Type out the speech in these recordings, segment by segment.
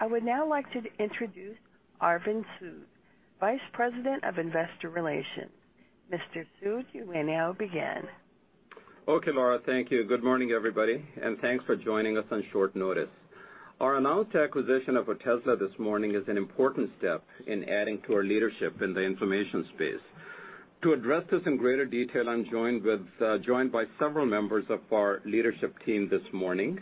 I would now like to introduce Arvind Sood, Vice President of Investor Relations. Mr. Sood, you may now begin. Okay, Laura, thank you. Good morning, everybody, and thanks for joining us on short notice. Our announced acquisition of Otezla this morning is an important step in adding to our leadership in the inflammation space. To address this in greater detail, I'm joined by several members of our leadership team this morning.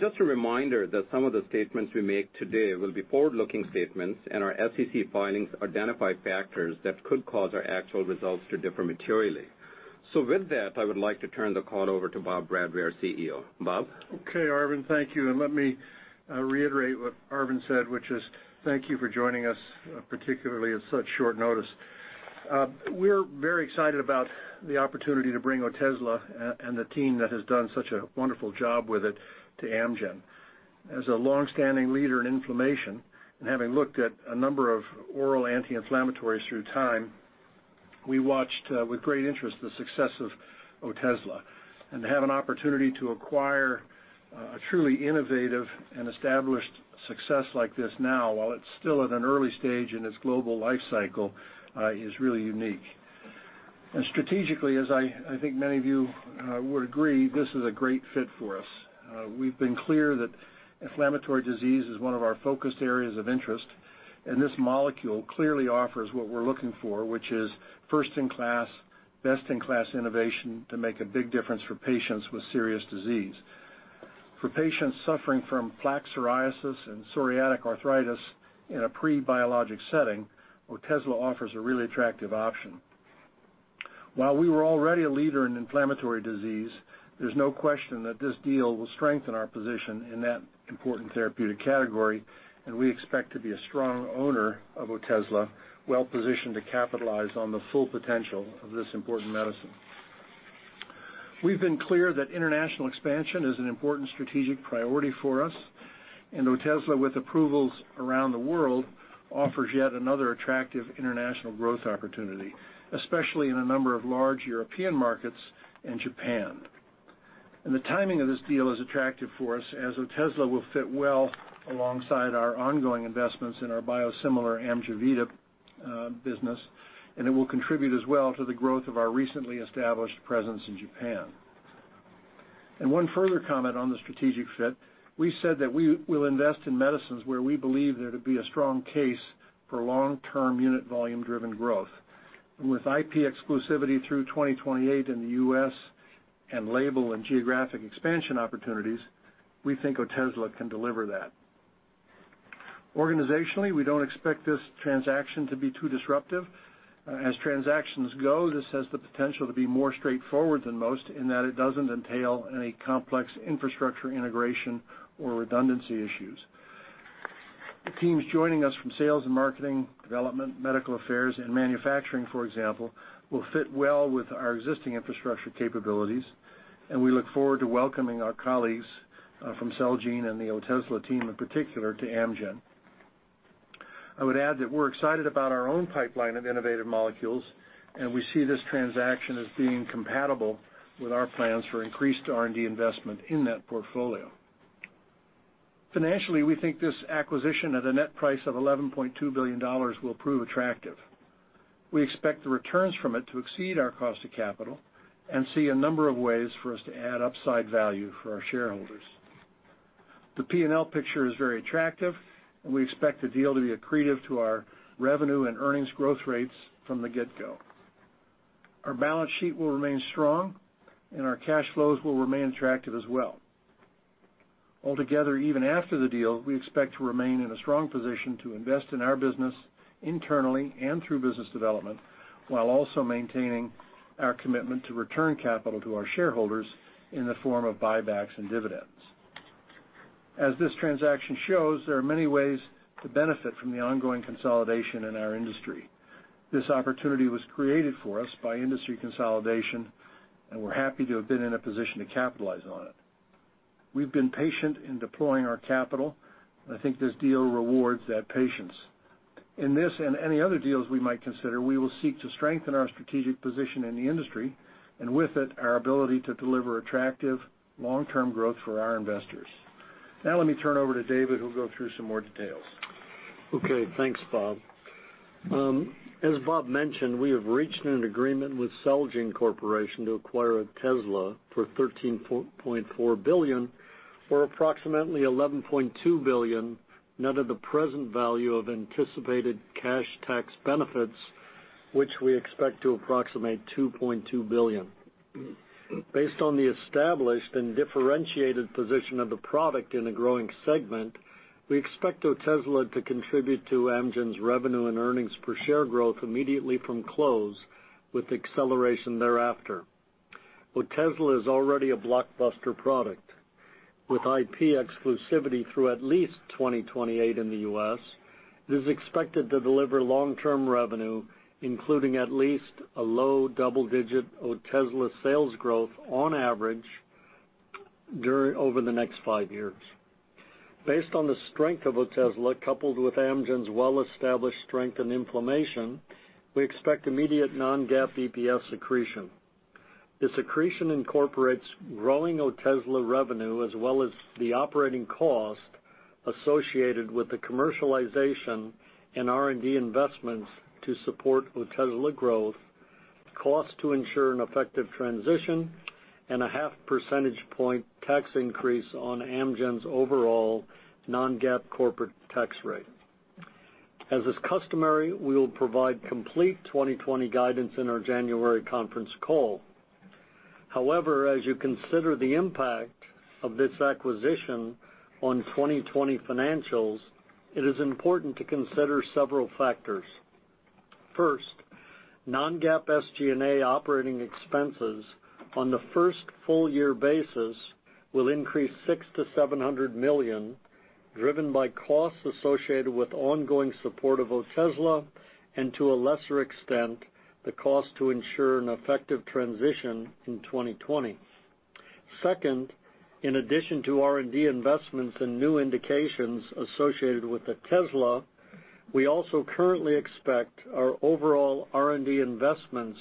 Just a reminder that some of the statements we make today will be forward-looking statements, and our SEC filings identify factors that could cause our actual results to differ materially. With that, I would like to turn the call over to Bob Bradway, our CEO. Bob? Arvind, thank you. Let me reiterate what Arvind said, which is thank you for joining us, particularly at such short notice. We're very excited about the opportunity to bring Otezla and the team that has done such a wonderful job with it to Amgen. As a longstanding leader in inflammation and having looked at a number of oral anti-inflammatories through time, we watched with great interest the success of Otezla. To have an opportunity to acquire a truly innovative and established success like this now, while it's still at an early stage in its global life cycle, is really unique. Strategically, as I think many of you would agree, this is a great fit for us. We've been clear that inflammatory disease is one of our focused areas of interest, and this molecule clearly offers what we're looking for, which is first-in-class, best-in-class innovation to make a big difference for patients with serious disease. For patients suffering from plaque psoriasis and psoriatic arthritis in a pre-biologic setting, Otezla offers a really attractive option. While we were already a leader in inflammatory disease, there's no question that this deal will strengthen our position in that important therapeutic category, and we expect to be a strong owner of Otezla, well-positioned to capitalize on the full potential of this important medicine. We've been clear that international expansion is an important strategic priority for us, and Otezla, with approvals around the world, offers yet another attractive international growth opportunity, especially in a number of large European markets and Japan. The timing of this deal is attractive for us, as Otezla will fit well alongside our ongoing investments in our biosimilar AMGEVITA business, and it will contribute as well to the growth of our recently established presence in Japan. One further comment on the strategic fit, we said that we will invest in medicines where we believe there to be a strong case for long-term unit volume-driven growth. With IP exclusivity through 2028 in the U.S. and label and geographic expansion opportunities, we think Otezla can deliver that. Organizationally, we don't expect this transaction to be too disruptive. As transactions go, this has the potential to be more straightforward than most in that it doesn't entail any complex infrastructure integration or redundancy issues. The teams joining us from sales and marketing, development, medical affairs, and manufacturing, for example, will fit well with our existing infrastructure capabilities, and we look forward to welcoming our colleagues from Celgene and the Otezla team in particular to Amgen. I would add that we're excited about our own pipeline of innovative molecules, and we see this transaction as being compatible with our plans for increased R&D investment in that portfolio. Financially, we think this acquisition at a net price of $11.2 billion will prove attractive. We expect the returns from it to exceed our cost of capital and see a number of ways for us to add upside value for our shareholders. The P&L picture is very attractive, and we expect the deal to be accretive to our revenue and earnings growth rates from the get-go. Our balance sheet will remain strong, and our cash flows will remain attractive as well. Altogether, even after the deal, we expect to remain in a strong position to invest in our business internally and through business development, while also maintaining our commitment to return capital to our shareholders in the form of buybacks and dividends. As this transaction shows, there are many ways to benefit from the ongoing consolidation in our industry. This opportunity was created for us by industry consolidation, and we're happy to have been in a position to capitalize on it. We've been patient in deploying our capital. I think this deal rewards that patience. In this and any other deals we might consider, we will seek to strengthen our strategic position in the industry, and with it, our ability to deliver attractive long-term growth for our investors. Now let me turn over to David, who'll go through some more details. Okay, thanks, Bob. As Bob mentioned, we have reached an agreement with Celgene Corporation to acquire Otezla for $13.4 billion, or approximately $11.2 billion, net of the present value of anticipated cash tax benefits, which we expect to approximate $2.2 billion. Based on the established and differentiated position of the product in a growing segment, we expect Otezla to contribute to Amgen's revenue and earnings per share growth immediately from close with acceleration thereafter. Otezla is already a blockbuster product. With IP exclusivity through at least 2028 in the U.S., it is expected to deliver long-term revenue, including at least a low double-digit Otezla sales growth on average over the next five years. Based on the strength of Otezla, coupled with Amgen's well-established strength in inflammation, we expect immediate non-GAAP EPS accretion. This accretion incorporates growing Otezla revenue as well as the operating cost associated with the commercialization and R&D investments to support Otezla growth, cost to ensure an effective transition, and a half percentage point tax increase on Amgen's overall non-GAAP corporate tax rate. As is customary, we will provide complete 2020 guidance in our January conference call. However, as you consider the impact of this acquisition on 2020 financials, it is important to consider several factors. First, non-GAAP SG&A operating expenses on the first full year basis will increase $600 million-$700 million, driven by costs associated with ongoing support of Otezla, and to a lesser extent, the cost to ensure an effective transition in 2020. Second, in addition to R&D investments and new indications associated with Otezla, we also currently expect our overall R&D investments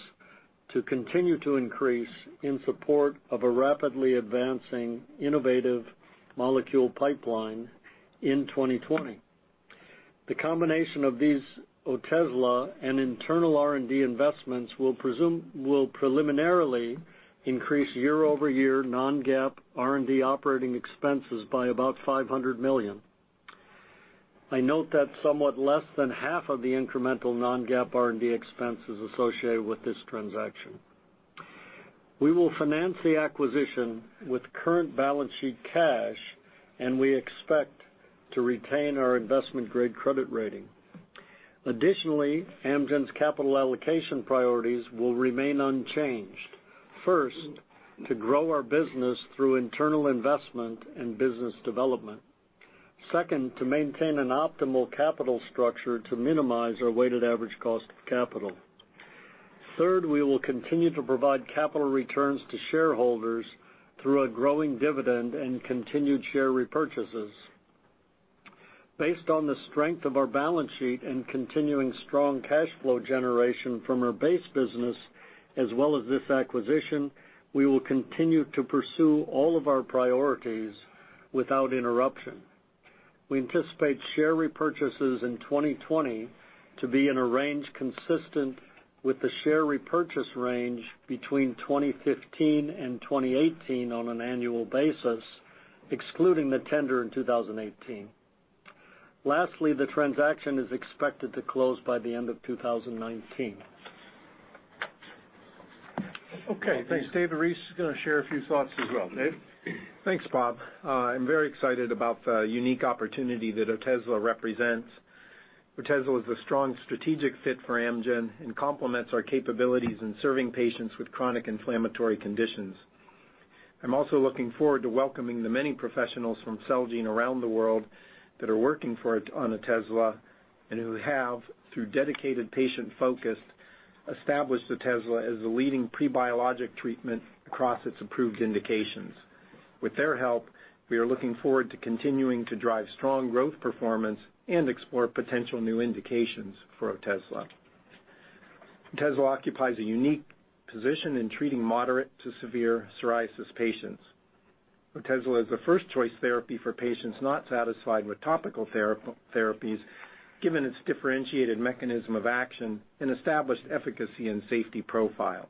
to continue to increase in support of a rapidly advancing innovative molecule pipeline in 2020. The combination of these Otezla and internal R&D investments will preliminarily increase year-over-year non-GAAP R&D operating expenses by about $500 million. I note that somewhat less than half of the incremental non-GAAP R&D expense is associated with this transaction. We will finance the acquisition with current balance sheet cash, and we expect to retain our investment-grade credit rating. Additionally, Amgen's capital allocation priorities will remain unchanged. First, to grow our business through internal investment and business development. Second, to maintain an optimal capital structure to minimize our weighted average cost of capital. Third, we will continue to provide capital returns to shareholders through a growing dividend and continued share repurchases. Based on the strength of our balance sheet and continuing strong cash flow generation from our base business, as well as this acquisition, we will continue to pursue all of our priorities without interruption. We anticipate share repurchases in 2020 to be in a range consistent with the share repurchase range between 2015 and 2018 on an annual basis, excluding the tender in 2018. Lastly, the transaction is expected to close by the end of 2019. Okay, thanks, David Reese is going to share a few thoughts as well. Dave? Thanks, Bob. I'm very excited about the unique opportunity that Otezla represents. Otezla is a strong strategic fit for Amgen and complements our capabilities in serving patients with chronic inflammatory conditions. I'm also looking forward to welcoming the many professionals from Celgene around the world that are working on Otezla and who have, through dedicated patient focus, established Otezla as a leading pre-biologic treatment across its approved indications. With their help, we are looking forward to continuing to drive strong growth performance and explore potential new indications for Otezla. Otezla occupies a unique position in treating moderate to severe psoriasis patients. Otezla is a first-choice therapy for patients not satisfied with topical therapies, given its differentiated mechanism of action and established efficacy and safety profile.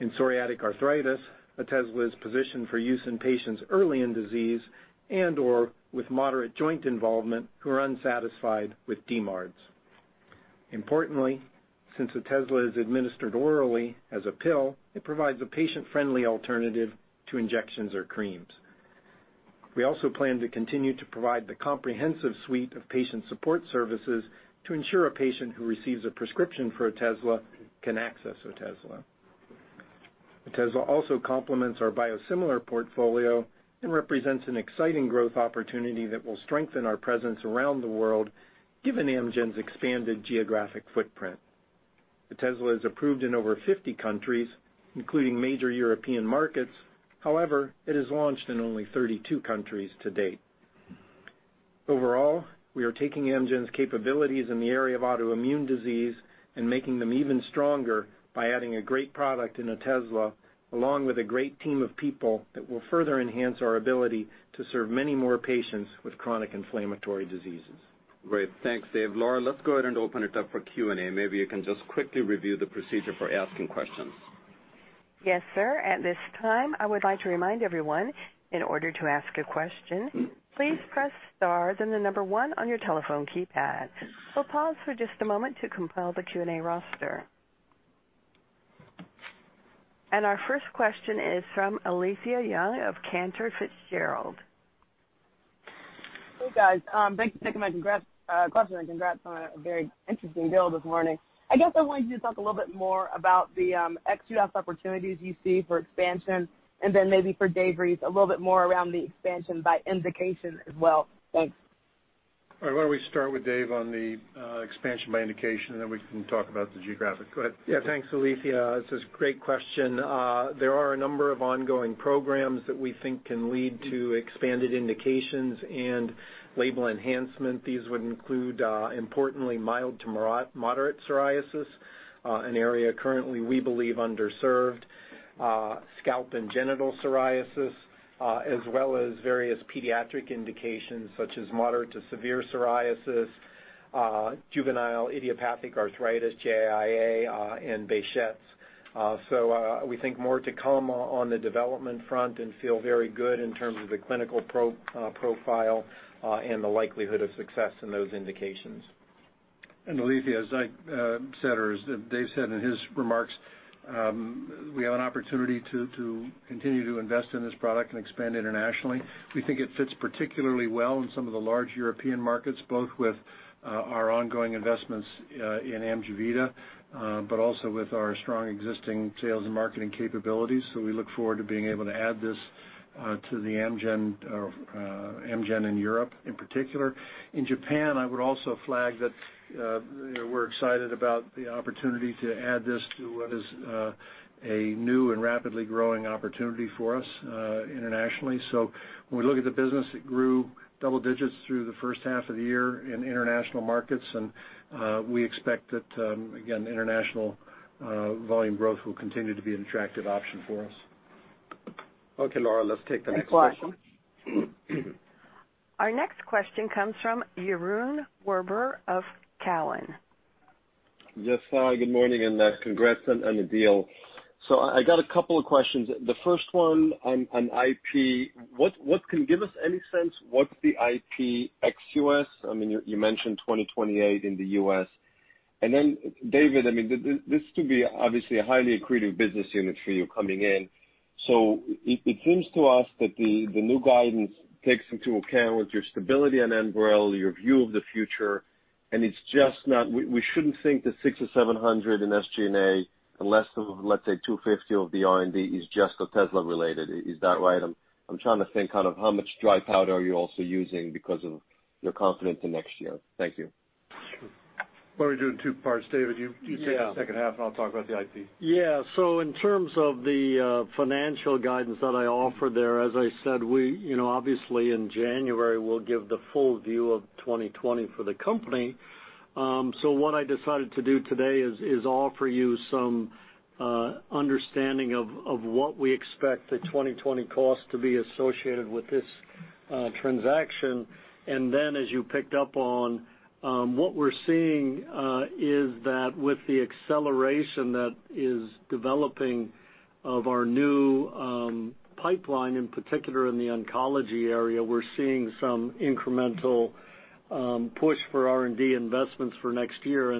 In psoriatic arthritis, Otezla is positioned for use in patients early in disease and/or with moderate joint involvement who are unsatisfied with DMARDs. Importantly, since Otezla is administered orally as a pill, it provides a patient-friendly alternative to injections or creams. We also plan to continue to provide the comprehensive suite of patient support services to ensure a patient who receives a prescription for Otezla can access Otezla. Otezla also complements our biosimilar portfolio and represents an exciting growth opportunity that will strengthen our presence around the world, given Amgen's expanded geographic footprint. Otezla is approved in over 50 countries, including major European markets. However, it is launched in only 32 countries to date. Overall, we are taking Amgen's capabilities in the area of autoimmune disease and making them even stronger by adding a great product in Otezla, along with a great team of people that will further enhance our ability to serve many more patients with chronic inflammatory diseases. Great. Thanks, Dave. Laura, let's go ahead and open it up for Q&A. Maybe you can just quickly review the procedure for asking questions. Yes, sir. At this time, I would like to remind everyone, in order to ask a question, please press star, then the number one on your telephone keypad. We'll pause for just a moment to compile the Q&A roster. Our first question is from Alethia Young of Cantor Fitzgerald. Hey, guys. Thanks for taking my question, and congrats on a very interesting build this morning. I wanted you to talk a little bit more about the ex-US opportunities you see for expansion, and then maybe for Dave Reese, a little bit more around the expansion by indication as well. Thanks. All right. Why don't we start with Dave on the expansion by indication, and then we can talk about the geographic. Go ahead. Thanks, Alethia. It's a great question. There are a number of ongoing programs that we think can lead to expanded indications and label enhancement. These would include, importantly, mild to moderate psoriasis, an area currently we believe underserved, scalp and genital psoriasis, as well as various pediatric indications such as moderate to severe psoriasis, juvenile idiopathic arthritis, JIA, and Behçet's. We think more to come on the development front and feel very good in terms of the clinical profile and the likelihood of success in those indications. Alethia, as I said, or as Dave said in his remarks, we have an opportunity to continue to invest in this product and expand internationally. We think it fits particularly well in some of the large European markets, both with our ongoing investments in AMGEVITA, but also with our strong existing sales and marketing capabilities. We look forward to being able to add this to the Amgen in Europe in particular. In Japan, I would also flag that we're excited about the opportunity to add this to what is a new and rapidly growing opportunity for us internationally. When we look at the business, it grew double digits through the first half of the year in international markets, and we expect that, again, international volume growth will continue to be an attractive option for us. Okay, Laura, let's take the next question. Next question. Our next question comes from Yaron Werber of Cowen. Yes. Hi, good morning, congrats on the deal. I got a couple of questions. The first one on IP. Can you give us any sense what's the IP ex-U.S.? You mentioned 2028 in the U.S. David, this could be obviously a highly accretive business unit for you coming in. It seems to us that the new guidance takes into account with your stability on ENBREL, your view of the future, and we shouldn't think the $600 or $700 in SG&A and less than, let's say, $250 of the R&D is just Otezla related. Is that right? I'm trying to think kind of how much dry powder are you also using because of your confidence in next year. Thank you. Sure. Why don't we do it in two parts? David, you take the second half, and I'll talk about the IP. In terms of the financial guidance that I offered there, as I said, obviously in January, we'll give the full view of 2020 for the company. Then as you picked up on, what we're seeing is that with the acceleration that is developing of our new pipeline, in particular in the oncology area, we're seeing some incremental push for R&D investments for next year.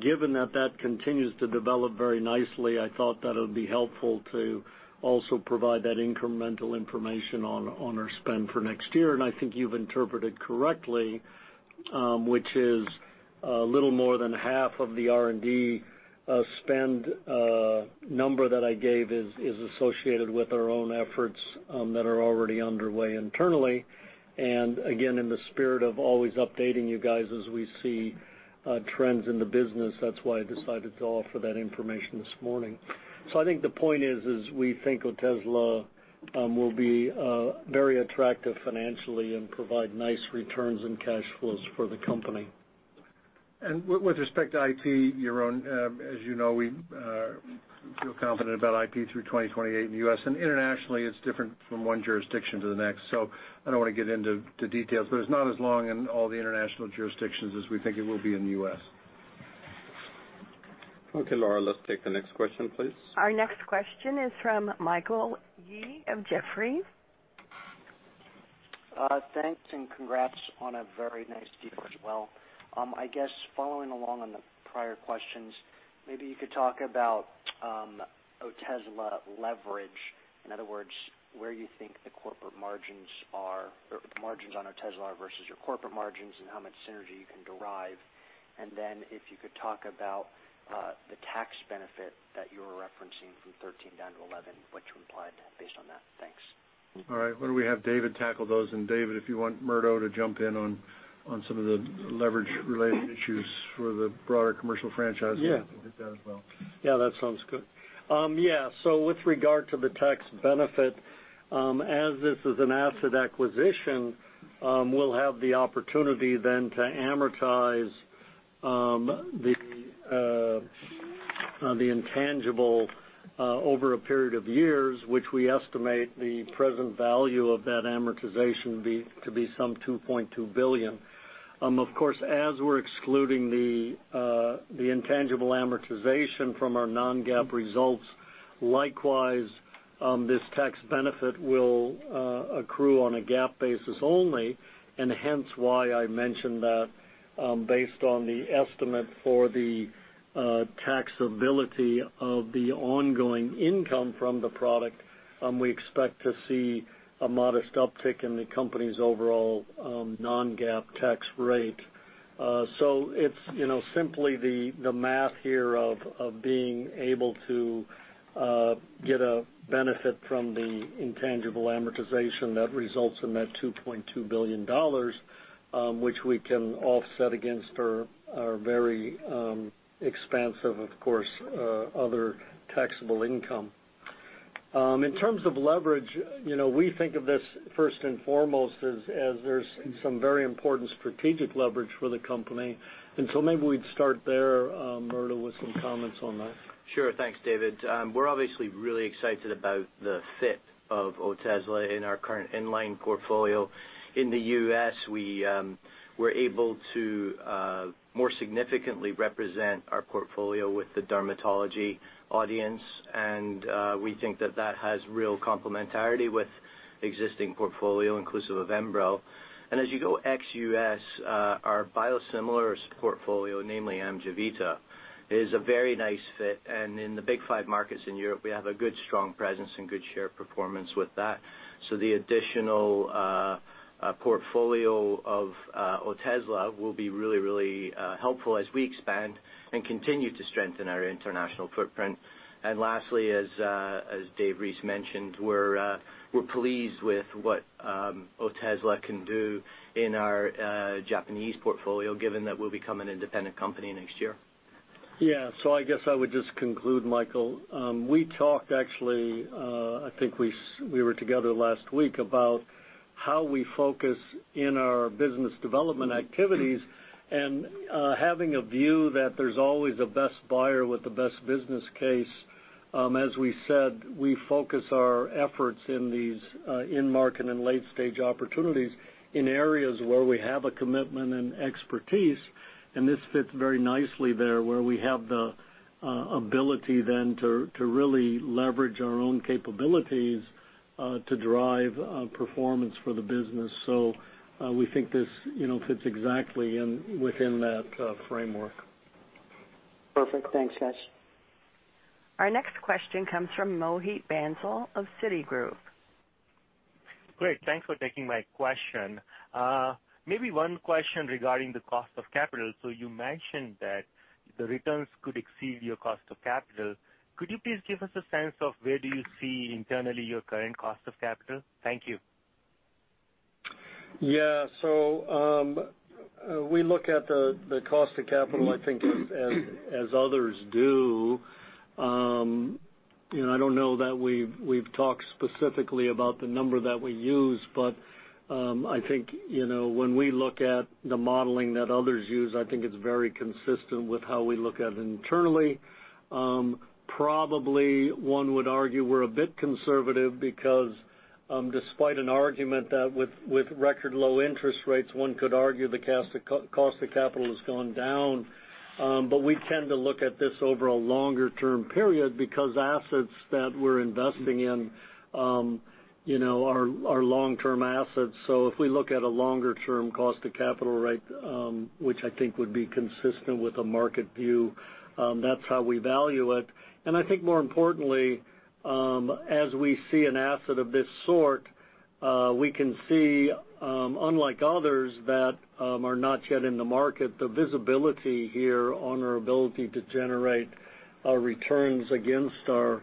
Given that that continues to develop very nicely, I thought that it would be helpful to also provide that incremental information on our spend for next year. I think you've interpreted correctly, which is a little more than half of the R&D spend number that I gave is associated with our own efforts that are already underway internally. Again, in the spirit of always updating you guys as we see trends in the business, that's why I decided to offer that information this morning. I think the point is we think Otezla will be very attractive financially and provide nice returns and cash flows for the company. With respect to IP, Yaron, as you know, we feel confident about IP through 2028 in the U.S. Internationally, it's different from one jurisdiction to the next. I don't want to get into details, but it's not as long in all the international jurisdictions as we think it will be in the U.S. Okay, Laura, let's take the next question, please. Our next question is from Michael Yee of Jefferies. Thanks. Congrats on a very nice deal as well. I guess following along on the prior questions, maybe you could talk about Otezla leverage. In other words, where you think the corporate margins are, or the margins on Otezla are versus your corporate margins and how much synergy you can derive. Then if you could talk about the tax benefit that you were referencing from 13% down to 11%, what you implied based on that. Thanks. All right. Why don't we have David tackle those? David, if you want Murdo to jump in on some of the leverage related issues for the broader commercial franchise. Yeah he can hit that as well. Yeah, that sounds good. With regard to the tax benefit, as this is an asset acquisition, we'll have the opportunity then to amortize the intangible over a period of years, which we estimate the present value of that amortization to be some $2.2 billion. Of course, as we're excluding the intangible amortization from our non-GAAP results, likewise, this tax benefit will accrue on a GAAP basis only. Hence why I mentioned that based on the estimate for the taxability of the ongoing income from the product, we expect to see a modest uptick in the company's overall non-GAAP tax rate. It's simply the math here of being able to get a benefit from the intangible amortization that results in that $2.2 billion, which we can offset against our very expansive, of course, other taxable income. In terms of leverage, we think of this first and foremost as there's some very important strategic leverage for the company. Maybe we'd start there, Murdo, with some comments on that. Sure. Thanks, David. We're obviously really excited about the fit of Otezla in our current inline portfolio. In the U.S., we're able to more significantly represent our portfolio with the dermatology audience, and we think that that has real complementarity with existing portfolio inclusive of ENBREL. As you go ex-U.S., our biosimilars portfolio, namely AMGEVITA, is a very nice fit. In the big five markets in Europe, we have a good, strong presence and good share performance with that. The additional portfolio of Otezla will be really, really helpful as we expand and continue to strengthen our international footprint. Lastly, as David Reese mentioned, we're pleased with what Otezla can do in our Japanese portfolio, given that we'll become an independent company next year. I guess I would just conclude, Michael. We talked actually, I think we were together last week, about how we focus in our business development activities and having a view that there's always a best buyer with the best business case. As we said, we focus our efforts in these in-market and late-stage opportunities in areas where we have a commitment and expertise, and this fits very nicely there, where we have the ability then to really leverage our own capabilities to drive performance for the business. We think this fits exactly within that framework. Perfect. Thanks, guys. Our next question comes from Mohit Bansal of Citigroup. Great. Thanks for taking my question. Maybe one question regarding the cost of capital. You mentioned that the returns could exceed your cost of capital. Could you please give us a sense of where do you see internally your current cost of capital? Thank you. Yeah. We look at the cost of capital, I think as others do. I don't know that we've talked specifically about the number that we use, but I think, when we look at the modeling that others use, I think it's very consistent with how we look at it internally. Probably, one would argue we're a bit conservative because, despite an argument that with record low interest rates, one could argue the cost of capital has gone down. We tend to look at this over a longer term period because assets that we're investing in are long-term assets. If we look at a longer-term cost of capital rate, which I think would be consistent with a market view, that's how we value it. I think more importantly, as we see an asset of this sort, we can see, unlike others that are not yet in the market, the visibility here on our ability to generate our returns against our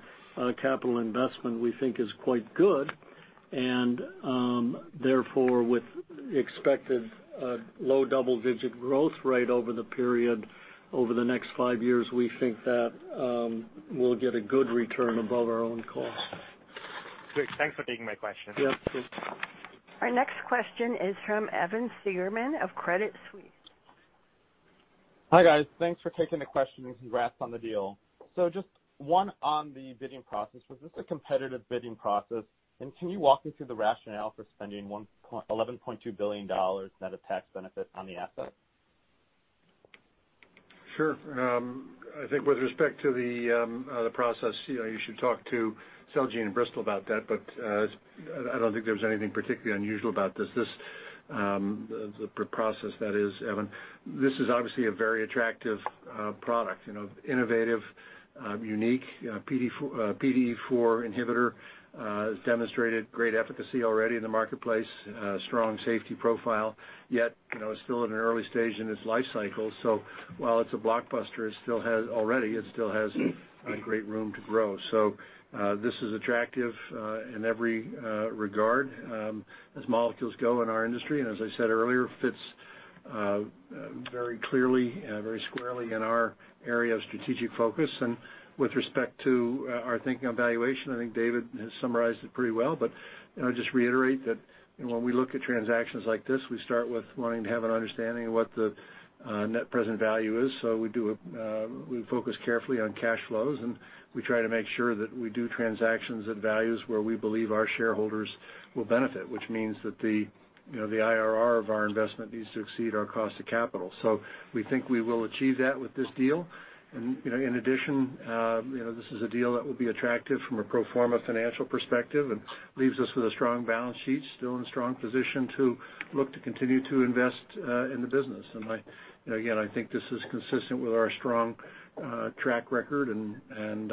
capital investment we think is quite good. Therefore, with expected low double-digit growth rate over the period over the next five years, we think that we'll get a good return above our own cost. Great. Thanks for taking my question. Yeah, sure. Our next question is from Evan Seigerman of Credit Suisse. Hi, guys. Thanks for taking the question, and congrats on the deal. Just one on the bidding process. Was this a competitive bidding process, and can you walk me through the rationale for spending $11.2 billion net of tax benefit on the asset? Sure. I think with respect to the process, you should talk to Celgene and Bristol about that. I don't think there was anything particularly unusual about this process, that is, Evan. This is obviously a very attractive product, innovative, unique PDE4 inhibitor, has demonstrated great efficacy already in the marketplace, strong safety profile. Yet, it's still in an early stage in its life cycle, so while it's a blockbuster already, it still has a great room to grow. This is attractive in every regard as molecules go in our industry, and as I said earlier, fits very clearly and very squarely in our area of strategic focus. With respect to our thinking on valuation, I think David has summarized it pretty well. Just reiterate that when we look at transactions like this, we start with wanting to have an understanding of what the net present value is. We focus carefully on cash flows, and we try to make sure that we do transactions at values where we believe our shareholders will benefit, which means that the IRR of our investment needs to exceed our cost of capital. We think we will achieve that with this deal. In addition, this is a deal that will be attractive from a pro forma financial perspective and leaves us with a strong balance sheet, still in a strong position to look to continue to invest in the business. Again, I think this is consistent with our strong track record and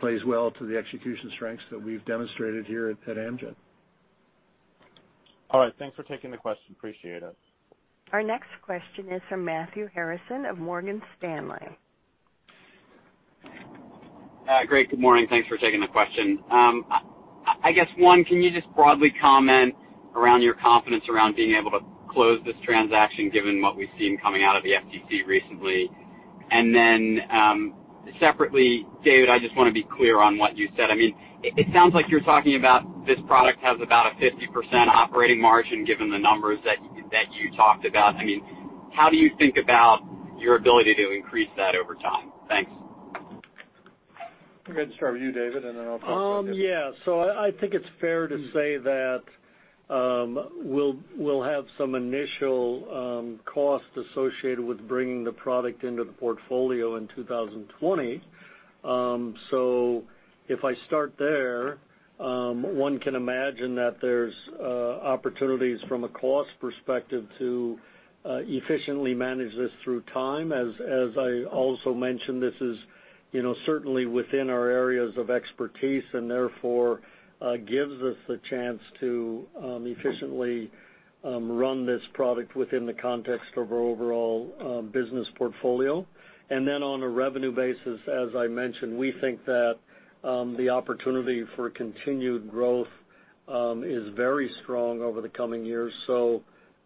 plays well to the execution strengths that we've demonstrated here at Amgen. All right. Thanks for taking the question. Appreciate it. Our next question is from Matthew Harrison of Morgan Stanley. Hi. Great. Good morning. Thanks for taking the question. I guess, one, can you just broadly comment around your confidence around being able to close this transaction given what we've seen coming out of the FTC recently? Separately, David, I just want to be clear on what you said. It sounds like you're talking about this product has about a 50% operating margin given the numbers that you talked about. How do you think about your ability to increase that over time? Thanks. We're going to start with you, David, and then I'll talk about it. Yeah. I think it's fair to say that we'll have some initial cost associated with bringing the product into the portfolio in 2020. If I start there, one can imagine that there's opportunities from a cost perspective to efficiently manage this through time. As I also mentioned, this is certainly within our areas of expertise, and therefore gives us the chance to efficiently run this product within the context of our overall business portfolio. On a revenue basis, as I mentioned, we think that the opportunity for continued growth is very strong over the coming years.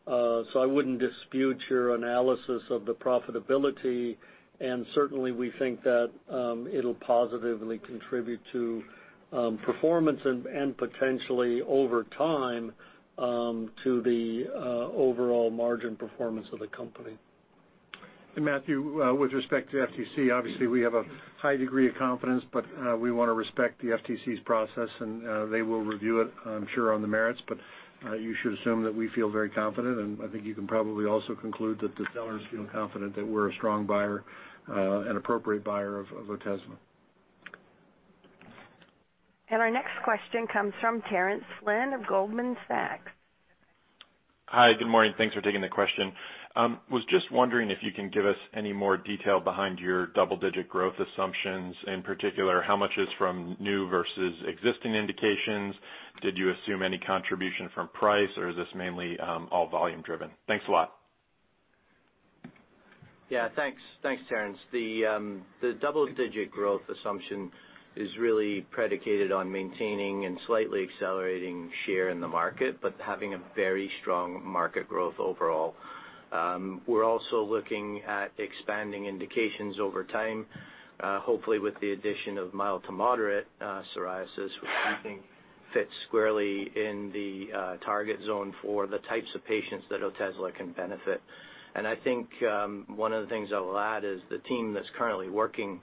I wouldn't dispute your analysis of the profitability, and certainly, we think that it'll positively contribute to performance and potentially over time, to the overall margin performance of the company. Matthew, with respect to FTC, obviously, we have a high degree of confidence. We want to respect the FTC's process. They will review it, I'm sure, on the merits. You should assume that we feel very confident, and I think you can probably also conclude that the sellers feel confident that we're a strong buyer, an appropriate buyer of Otezla. Our next question comes from Terence Flynn of Goldman Sachs. Hi, good morning. Thanks for taking the question. Was just wondering if you can give us any more detail behind your double-digit growth assumptions. In particular, how much is from new versus existing indications. Did you assume any contribution from price, or is this mainly all volume driven? Thanks a lot. Yeah, thanks, Terence. The double-digit growth assumption is really predicated on maintaining and slightly accelerating share in the market, but having a very strong market growth overall. We're also looking at expanding indications over time, hopefully with the addition of mild to moderate psoriasis, which we think fits squarely in the target zone for the types of patients that Otezla can benefit. I think one of the things I will add is the team that's currently working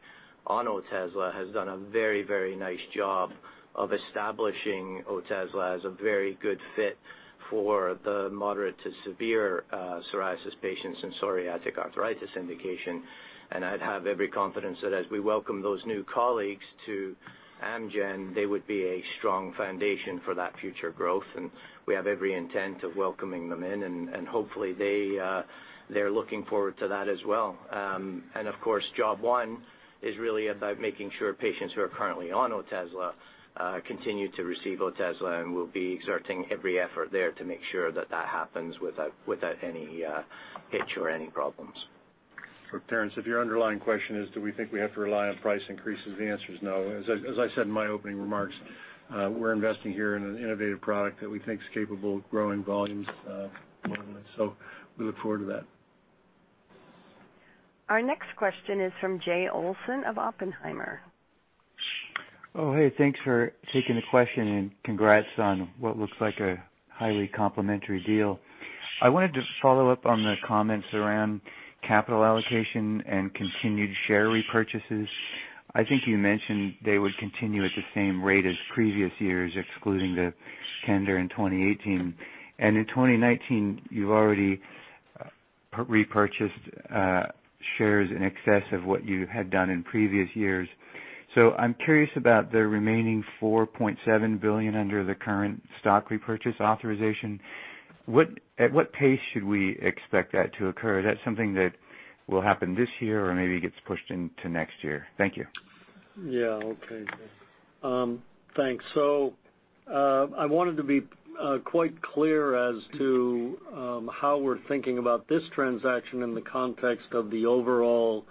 on Otezla has done a very nice job of establishing Otezla as a very good fit for the moderate to severe psoriasis patients in psoriatic arthritis indication. I'd have every confidence that as we welcome those new colleagues to Amgen, they would be a strong foundation for that future growth, and we have every intent of welcoming them in, and hopefully they're looking forward to that as well. Of course, job one is really about making sure patients who are currently on Otezla continue to receive Otezla, and we'll be exerting every effort there to make sure that happens without any hitch or any problems. Terence, if your underlying question is, do we think we have to rely on price increases? The answer is no. As I said in my opening remarks, we're investing here in an innovative product that we think is capable of growing volumes more than that. We look forward to that. Our next question is from Jay Olson of Oppenheimer. Oh, hey, thanks for taking the question, and congrats on what looks like a highly complementary deal. I wanted to follow up on the comments around capital allocation and continued share repurchases. I think you mentioned they would continue at the same rate as previous years, excluding the tender in 2018. In 2019, you've already repurchased shares in excess of what you had done in previous years. I'm curious about the remaining $4.7 billion under the current stock repurchase authorization. At what pace should we expect that to occur? Is that something that will happen this year or maybe gets pushed into next year? Thank you. Yeah. Okay, Jay. Thanks. I wanted to be quite clear as to how we're thinking about this transaction in the context of the overall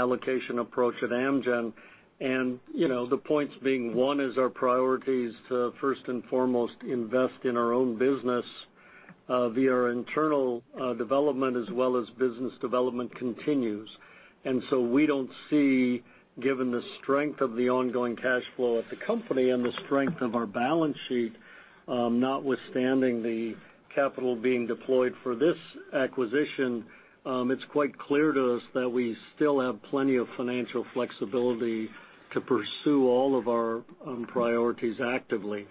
allocation approach at Amgen. The points being, one is our priorities to first and foremost invest in our own business via our internal development as well as business development continues. We don't see, given the strength of the ongoing cash flow at the company and the strength of our balance sheet notwithstanding the capital being deployed for this acquisition, it's quite clear to us that we still have plenty of financial flexibility to pursue all of our priorities actively.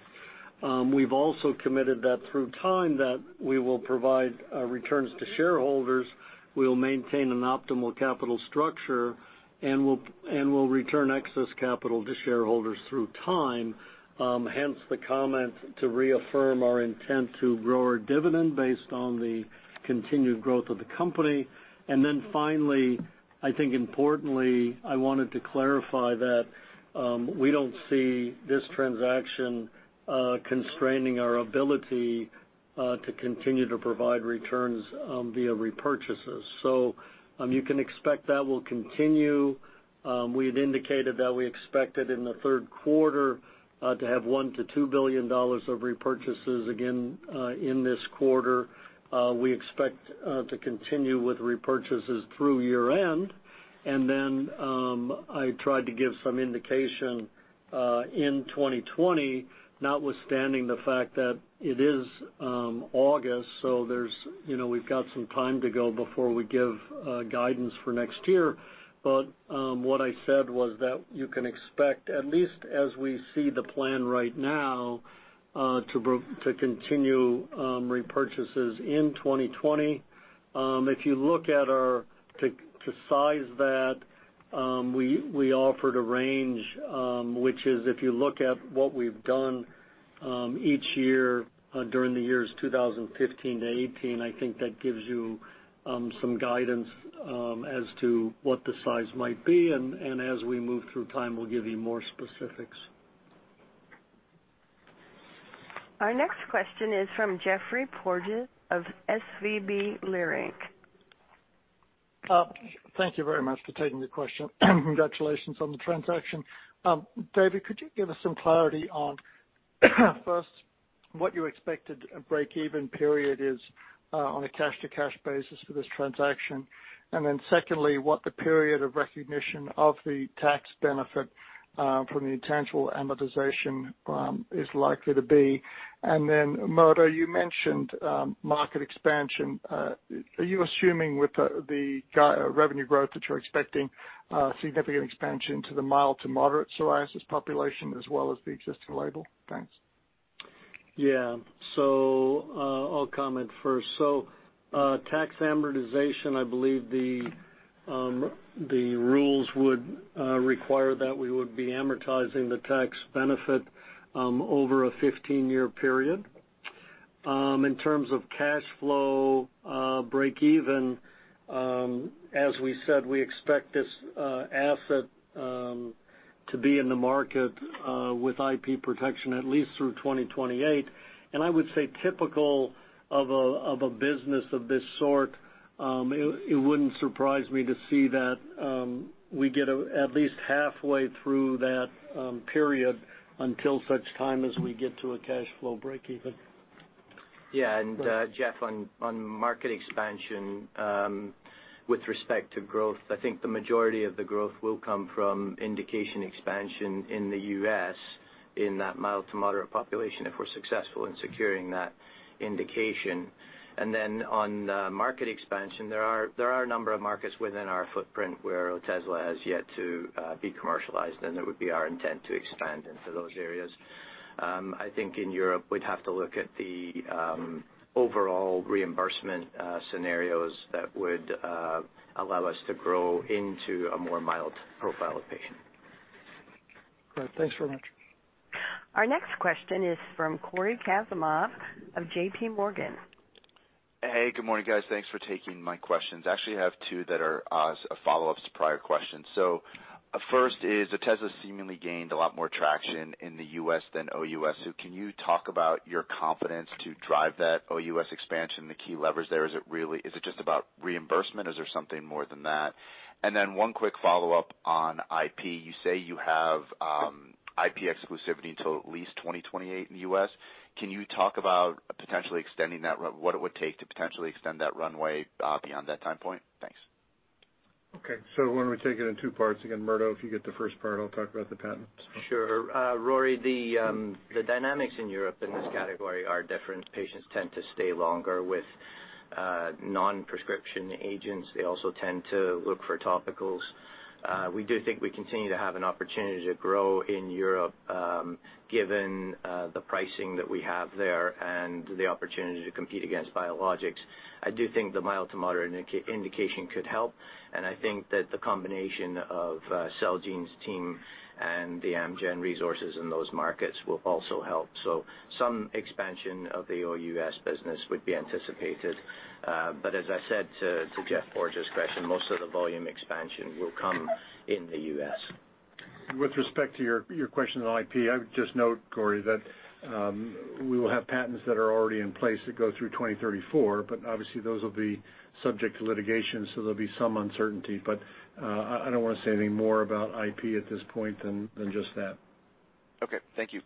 We've also committed that through time that we will provide returns to shareholders, we will maintain an optimal capital structure, and we'll return excess capital to shareholders through time, hence the comment to reaffirm our intent to grow our dividend based on the continued growth of the company. Finally, I think importantly, I wanted to clarify that we don't see this transaction constraining our ability to continue to provide returns via repurchases. You can expect that will continue. We had indicated that we expected in the third quarter to have $1 billion-$2 billion of repurchases again in this quarter. We expect to continue with repurchases through year-end, and then I tried to give some indication in 2020, notwithstanding the fact that it is August, so we've got some time to go before we give guidance for next year. What I said was that you can expect, at least as we see the plan right now, to continue repurchases in 2020. If you look at to size that, we offered a range, which is if you look at what we've done each year during the years 2015 to 2018, I think that gives you some guidance as to what the size might be. As we move through time, we'll give you more specifics. Our next question is from Jeffrey Porges of SVB Leerink. Thank you very much for taking the question. Congratulations on the transaction. David, could you give us some clarity on, first, what you expected a break-even period is on a cash-to-cash basis for this transaction? Secondly, what the period of recognition of the tax benefit from the intangible amortization is likely to be. Murdo, you mentioned market expansion. Are you assuming with the revenue growth that you're expecting significant expansion to the mild to moderate psoriasis population as well as the existing label? Thanks. Yeah. I'll comment first. Tax amortization, I believe the rules would require that we would be amortizing the tax benefit over a 15-year period. In terms of cash flow break even, as we said, we expect this asset to be in the market with IP protection at least through 2028. I would say typical of a business of this sort, it wouldn't surprise me to see that we get at least halfway through that period until such time as we get to a cash flow break even. Yeah. Jeff, on market expansion, with respect to growth, I think the majority of the growth will come from indication expansion in the U.S. in that mild to moderate population, if we're successful in securing that indication. On market expansion, there are a number of markets within our footprint where Otezla has yet to be commercialized, and it would be our intent to expand into those areas. I think in Europe, we'd have to look at the overall reimbursement scenarios that would allow us to grow into a more mild profile of patient. Great. Thanks very much. Our next question is from Cory Kasimov of JPMorgan. Hey, good morning, guys. Thanks for taking my questions. I actually have two that are as follow-ups to prior questions. First is, Otezla seemingly gained a lot more traction in the U.S. than OUS, so can you talk about your confidence to drive that OUS expansion, the key levers there? Is it just about reimbursement? Is there something more than that? Then one quick follow-up on IP. You say you have IP exclusivity till at least 2028 in the U.S. Can you talk about potentially extending that, what it would take to potentially extend that runway beyond that time point? Thanks. Okay, why don't we take it in two parts again. Murdo, if you get the first part, I'll talk about the patents. Sure. Rory, the dynamics in Europe in this category are different. Patients tend to stay longer with non-prescription agents. They also tend to look for topicals. We do think we continue to have an opportunity to grow in Europe given the pricing that we have there and the opportunity to compete against biologics. I do think the mild to moderate indication could help, and I think that the combination of Celgene's team and the Amgen resources in those markets will also help. Some expansion of the OUS business would be anticipated. As I said to Geoffrey Porges' question, most of the volume expansion will come in the U.S. With respect to your question on IP, I would just note, Corey, that we will have patents that are already in place that go through 2034. Obviously, those will be subject to litigation, so there'll be some uncertainty. I don't want to say any more about IP at this point than just that. Okay. Thank you.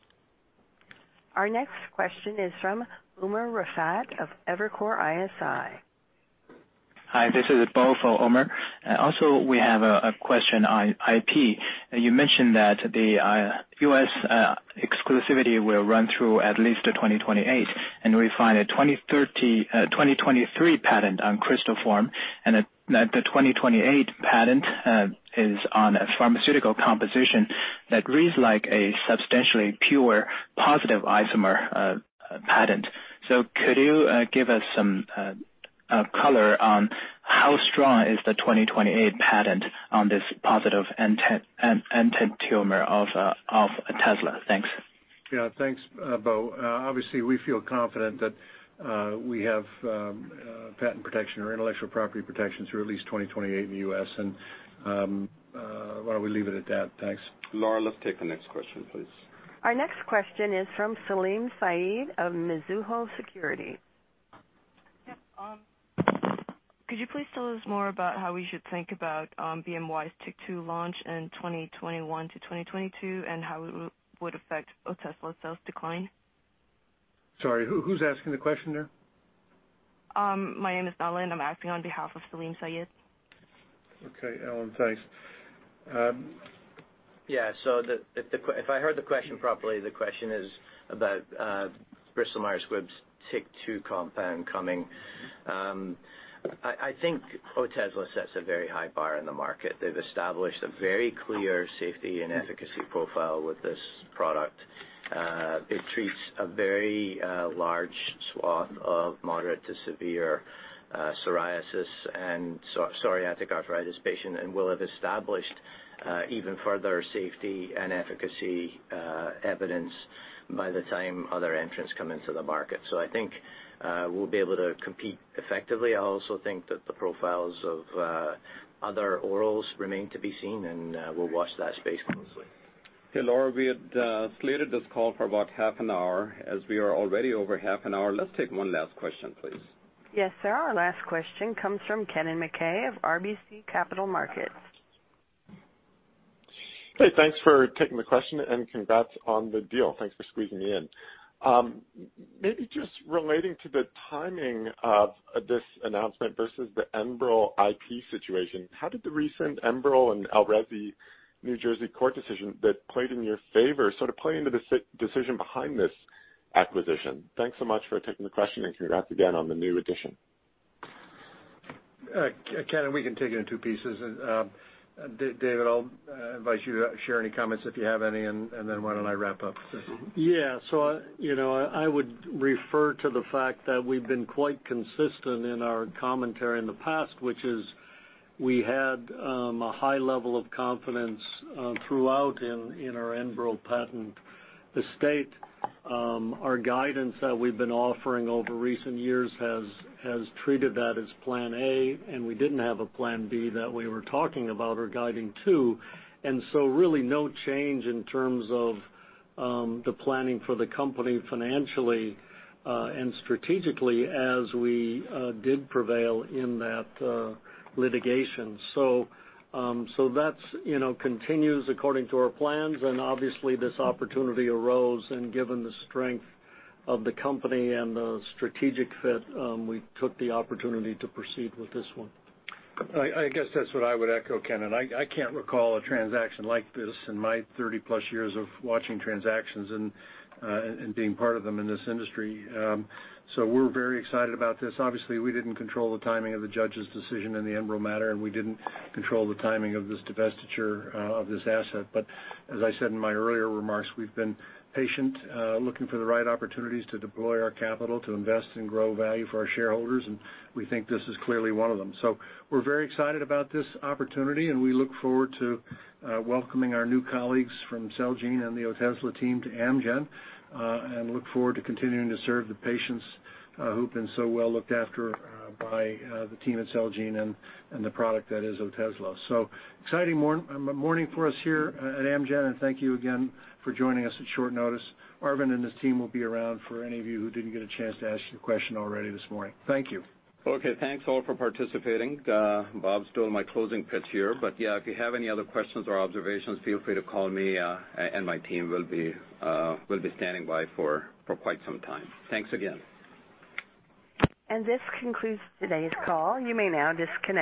Our next question is from Umer Raffat of Evercore ISI. Hi, this is Bo for Umer. We have a question on IP. You mentioned that the U.S. exclusivity will run through at least to 2028. We find a 2023 patent on crystal form, and the 2028 patent is on a pharmaceutical composition that reads like a substantially pure positive enantiomer patent. Could you give us some color on how strong is the 2028 patent on this positive enantiomer of Otezla? Thanks. Yeah. Thanks, Bo. Obviously, we feel confident that we have patent protection or intellectual property protection through at least 2028 in the U.S., and why don't we leave it at that? Thanks. Laura, let's take the next question, please. Our next question is from Salim Syed of Mizuho Securities. Could you please tell us more about how we should think about BMY's TYK2 launch in 2021 to 2022, and how it would affect Otezla sales decline? Sorry, who's asking the question there? My name is Ellen, and I'm asking on behalf of Salim Syed. Okay, Ellen. Thanks. Yeah. If I heard the question properly, the question is about Bristol Myers Squibb's TYK2 compound coming. I think Otezla sets a very high bar in the market. They've established a very clear safety and efficacy profile with this product. It treats a very large swath of moderate to severe psoriasis and psoriatic arthritis patient and will have established even further safety and efficacy evidence by the time other entrants come into the market. I think we'll be able to compete effectively. I also think that the profiles of other orals remain to be seen, and we'll watch that space closely. Hey, Laura, we had slated this call for about half an hour. As we are already over half an hour, let's take one last question, please. Yes, sir. Our last question comes from Kennen MacKay of RBC Capital Markets. Hey, thanks for taking the question, and congrats on the deal. Thanks for squeezing me in. Maybe just relating to the timing of this announcement versus the ENBREL IP situation, how did the recent ENBREL and Erelzi New Jersey court decision that played in your favor sort of play into the decision behind this acquisition? Thanks so much for taking the question, and congrats again on the new addition. Kennen, we can take it in two pieces. David, I'll invite you to share any comments if you have any, and then why don't I wrap up? Yeah. I would refer to the fact that we've been quite consistent in our commentary in the past, which is we had a high level of confidence throughout in our ENBREL patent estate. Our guidance that we've been offering over recent years has treated that as plan A, and we didn't have a plan B that we were talking about or guiding to. Really no change in terms of the planning for the company financially and strategically as we did prevail in that litigation. That continues according to our plans, and obviously, this opportunity arose, and given the strength of the company and the strategic fit, we took the opportunity to proceed with this one. I guess that's what I would echo, Kennen. I can't recall a transaction like this in my 30-plus years of watching transactions and being part of them in this industry. We're very excited about this. Obviously, we didn't control the timing of the judge's decision in the ENBREL matter, and we didn't control the timing of this divestiture of this asset. As I said in my earlier remarks, we've been patient, looking for the right opportunities to deploy our capital to invest and grow value for our shareholders, and we think this is clearly one of them. We're very excited about this opportunity, and we look forward to welcoming our new colleagues from Celgene and the Otezla team to Amgen, and look forward to continuing to serve the patients who've been so well looked after by the team at Celgene and the product that is Otezla. Exciting morning for us here at Amgen, thank you again for joining us at short notice. Arvind and his team will be around for any of you who didn't get a chance to ask your question already this morning. Thank you. Okay. Thanks, all, for participating. Bob's doing my closing pitch here. Yeah, if you have any other questions or observations, feel free to call me, and my team will be standing by for quite some time. Thanks again. This concludes today's call. You may now disconnect.